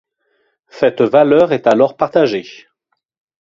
Cette valeur est alors partagée.